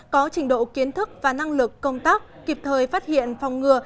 có trình độ kiến thức và năng lực công tác kịp thời phát hiện phòng ngừa